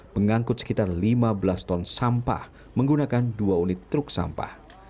mengangkut sekitar lima belas ton sampah menggunakan dua unit truk sampah